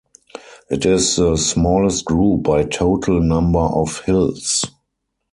It is the smallest group by total number of hills.